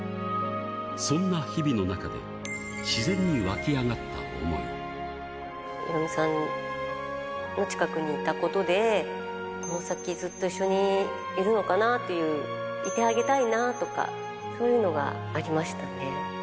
そんな日々の中で、ヒロミさんの近くにいたことで、この先ずっと一緒にいるのかなっていう、いてあげたいなとか、そういうのがありましたね。